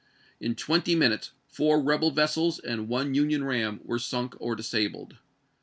In twenty minutes four rebel vessels and one Union ram were sunk or dis abled.